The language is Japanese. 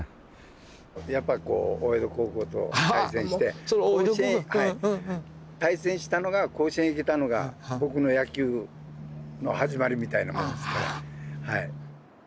やっぱりこう大淀高校と対戦して対戦したのが甲子園行けたのが僕の野球の始まりみたいなもんですから。